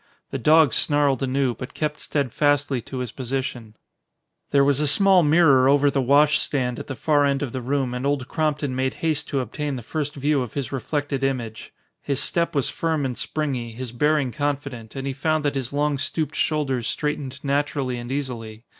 The dog snarled anew, but kept steadfastly to his position. There was a small mirror over the wash stand at the far end of the room and Old Crompton made haste to obtain the first view of his reflected image. His step was firm and springy, his bearing confident, and he found that his long stooped shoulders straightened naturally and easily.